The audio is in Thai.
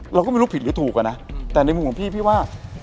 เราก็ไม่รู้ผิดหรือถูกอ่ะนะแต่ในมุมของพี่พี่ว่า